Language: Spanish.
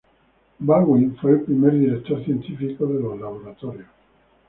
Baldwin fue el primer director científico de los laboratorios.